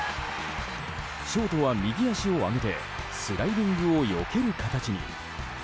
ショートは右足を上げてスライディングをよける形に。